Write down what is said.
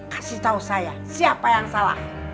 kasih tahu saya siapa yang salah